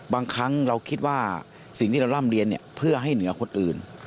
บางครั้งเราคิดว่าสิ่งที่เราร่ำเรียนเพื่อให้เหนือคนอื่น